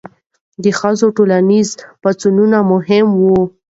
د ښځو ټولنیز پاڅونونه مهم وو.